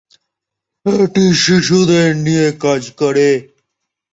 এটি শিশুদের নিয়ে কাজ করে।